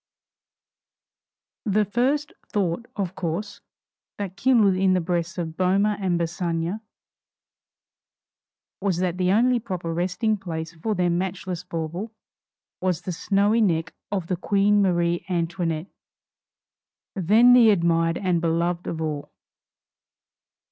The first thought, of course, that kindled in the breasts of Boehmer and Bassange was, that the only proper resting place for their matchless bauble was the snowy neck of the Queen Marie Antoinette, then the admired and beloved of all!